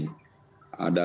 ada di mana